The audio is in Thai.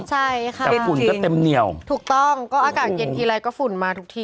ใช่ค่ะแต่ฝุ่นก็เต็มเหนียวถูกต้องก็อากาศเย็นทีไรก็ฝุ่นมาทุกที